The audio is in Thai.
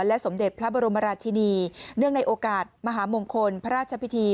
สมเด็จพระบรมราชินีเนื่องในโอกาสมหามงคลพระราชพิธี